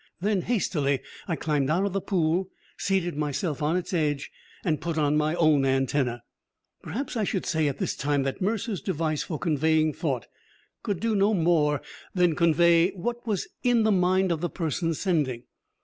Then, hastily, I climbed out of the pool, seated myself on its edge, and put on my own antenna. Perhaps I should say at this time that Mercer's device for conveying thought could do no more than convey what was in the mind of the person sending.